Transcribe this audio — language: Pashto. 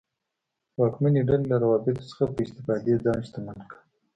واکمنې ډلې له روابطو څخه په استفادې ځان شتمن کړ.